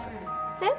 えっ？